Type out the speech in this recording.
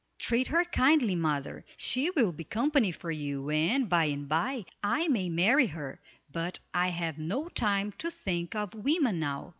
"Treat her kindly, mother; she will be company for you, and by and by I may marry her, but I have no time to think of women now."